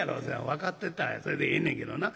「分かってたらそれでええねんけどな。